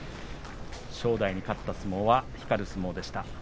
正代に勝った相撲は引かない相撲でした。